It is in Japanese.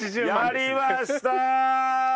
やりましたー！